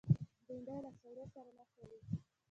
بېنډۍ له سړو سره ښه خوري